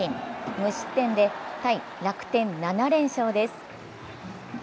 無失点で対楽天７連勝です。